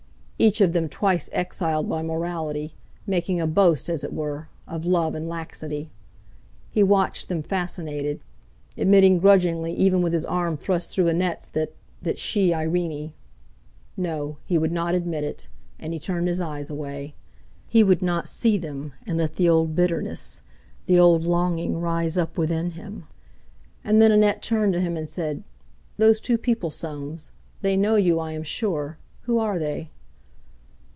Each of them twice exiled by morality—making a boast, as it were, of love and laxity! He watched them fascinated; admitting grudgingly even with his arm thrust through Annette's that—that she—Irene—No! he would not admit it; and he turned his eyes away. He would not see them, and let the old bitterness, the old longing rise up within him! And then Annette turned to him and said: "Those two people, Soames; they know you, I am sure. Who are they?"